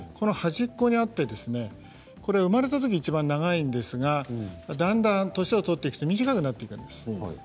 端っこにあって生まれたときがいちばん長いんですがだんだん年を取っていくと短くなっていくんです。